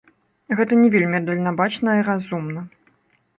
Гэта не вельмі дальнабачна і разумна.